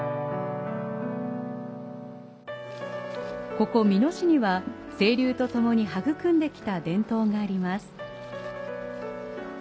ここ美濃市には清流とともに育んできた伝統があります。